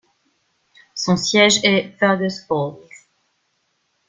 Son siège est Fergus Falls.